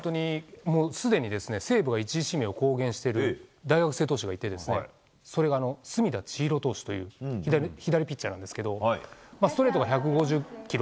すでに西武が１位指名を公言している大学生投手がいてそれが隅田知一郎投手という左ピッチャーなんですがストレートが１５０キロ。